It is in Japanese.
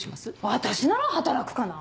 私なら働くかな。